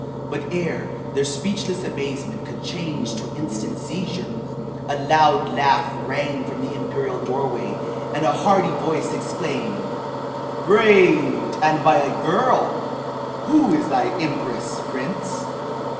But ere their speechless amazement could change to instant seizure, a loud laugh rang from the imperial doorway and a hearty voice exclaimed: "Braved, and by a girl! Who is thy Empress, Prince?